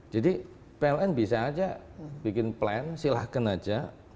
jadi pln bisa aja bikin plan silahkan aja